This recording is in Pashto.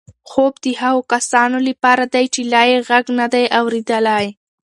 خوب د هغو کسانو لپاره دی چې لا یې غږ نه دی اورېدلی.